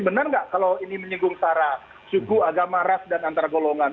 benar nggak kalau ini menyegung cara suku agama ras dan antaragolongan